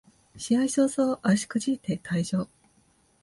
試合開始そうそう足くじいて退場